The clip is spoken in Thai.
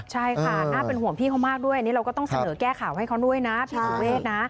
ใช่ค่ะน่าเป็นห่วงพี่เขามากด้วยอันนี้เราก็ต้องเสนอแก้ข่าวให้เขาด้วยนะพี่สุเวทนะ